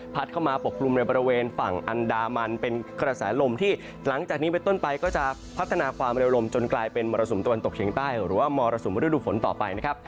เข้ามาปกกลุ่มในบริเวณฝั่งอันดามันเป็นกระแสลมที่หลังจากนี้ไปต้นไปก็จะพัฒนาความเร็วลมจนกลายเป็นมรสุมตะวันตกเฉียงใต้หรือว่ามรสุมฤดูฝนต่อไปนะครับ